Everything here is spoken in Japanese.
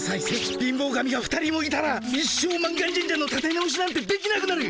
貧乏神が２人もいたら一生満願神社のたて直しなんてできなくなる！